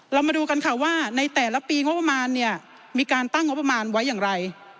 เรามาดูกันค่ะว่าในแต่ละปีงบประมาณเนี่ยมีการตั้งงบประมาณไว้อย่างไร